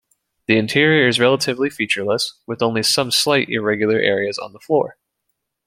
The interior is relatively featureless, with only some slight irregular areas on the floor.